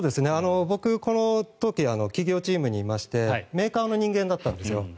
僕はこの時企業チームにいましてメーカーの人間だったんですよ。